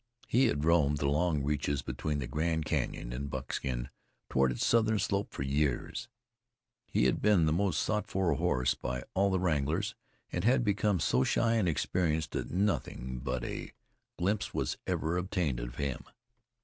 He had roamed the long reaches between the Grand Canyon and Buckskin toward its southern slope for years; he had been the most sought for horse by all the wranglers, and had become so shy and experienced that nothing but a glimpse was ever obtained of him.